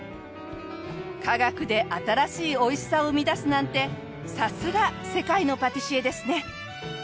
科学で新しいおいしさを生み出すなんてさすが世界のパティシエですね。